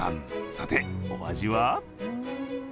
さて、お味は？